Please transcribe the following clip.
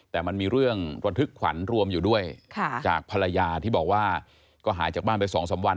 แต่มันมีเรื่องระทึกขวัญรวมอยู่ด้วยจากภรรยาที่บอกว่าก็หายจากบ้านไป๒๓วัน